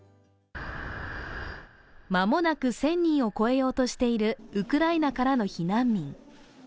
間もなく１０００人を超えようとしているウクライナからの避難民。